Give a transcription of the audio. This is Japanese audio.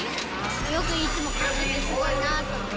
よくいつも勝ってて、すごいなと思う。